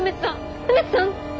梅津さん。